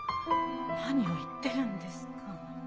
何を言ってるんですか。